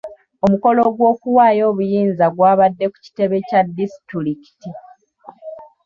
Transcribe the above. Omukolo gw'okuwaayo obuyinza gw'abadde ku kitebe kya disitulikiti.